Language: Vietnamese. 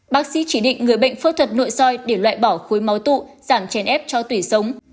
bác sĩ chỉ định người bệnh phẫu thuật nội soi để loại bỏ khối máu tụ giảm chèn ép cho tủy sống